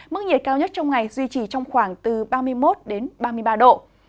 mức nhiệt cao nhất trong ngày duy trì trong khoảng từ ba mươi một ba mươi ba độ